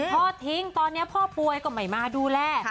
พ่อทิ้งตอนนี้พ่อป่วยก็ไม่มาดูแล